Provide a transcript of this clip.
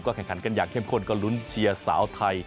แข่งขันกันอย่างเข้มข้นก็ลุ้นเชียร์สาวไทย